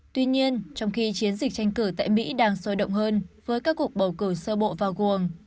tuy nhiên trong khi chiến dịch tranh cử tại mỹ đang sôi động hơn với các cuộc bầu cử sơ bộ bao gồm